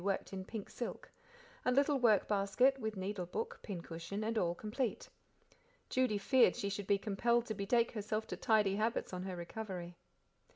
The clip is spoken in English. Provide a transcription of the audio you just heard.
worked in pink silk; a little work basket, with needle book, pin cushion, and all complete. Judy feared she should be compelled to betake herself to tidy habits on her recovery.